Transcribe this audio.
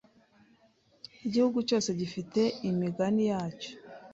Igihugu cyose gifite imigani yacyo.